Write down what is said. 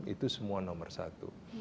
itu semua nomor satu